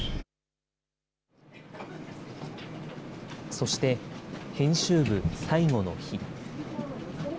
そして、編集部最後の日。